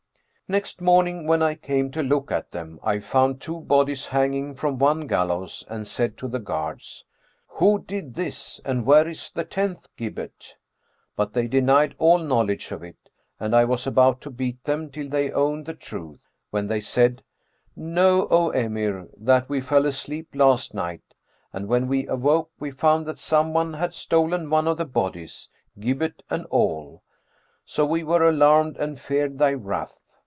Next morning when I came to look at them, I found two bodies hanging from one gallows and said to the guards, 'Who did this, and where is the tenth gibbet?' But they denied all knowledge of it, and I was about to beat them till they owned the truth, when they said, 'Know, O Emir, that we fell asleep last night, and when we awoke, we found that some one had stolen one of the bodies, gibbet and all; so we were alarmed and feared thy wrath.